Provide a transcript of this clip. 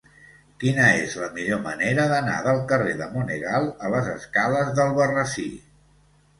Quina és la millor manera d'anar del carrer de Monegal a les escales d'Albarrasí?